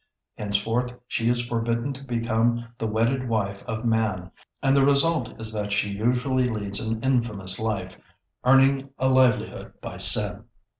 Henceforth she is forbidden to become the wedded wife of man, and the result is that she usually leads an infamous life, earning a livelihood by sin.